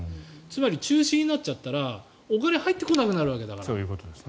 つまり中止になっちゃったらお金が入ってこなくなるわけだから。